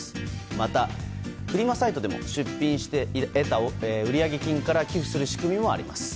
また、フリマサイトでも出品して得た売上金から寄付する仕組みもあります。